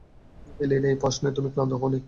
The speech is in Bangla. এলির এই প্রশ্নে তুমি ক্লান্ত হওনি?